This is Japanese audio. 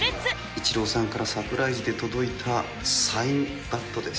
イチローさんからサプライズで届いたサインバットです。